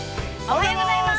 ◆おはようございます。